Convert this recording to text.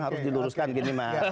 harus diluruskan gini mas